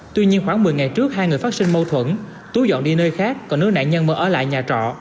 tuy nhiên khoảng một mươi ngày trước hai người phát sinh mâu thuẫn tú dọn đi nơi khác còn nữ nạn nhân mở lại nhà trò